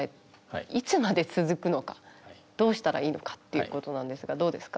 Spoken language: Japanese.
いつまで続くのかどうしたらいいのかっていうことなんですがどうですか？